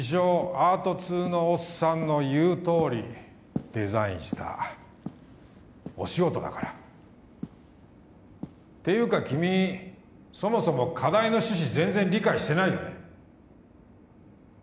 アート通のおっさんの言うとおりデザインした「お仕事」だからていうか君そもそも課題の趣旨全然理解してないよね